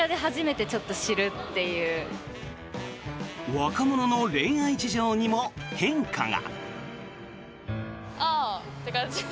若者の恋愛事情にも変化が。